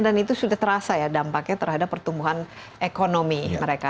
dan itu sudah terasa ya dampaknya terhadap pertumbuhan ekonomi mereka